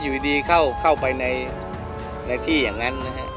อยู่ดีเข้าไปในที่อย่างนั้นนะฮะ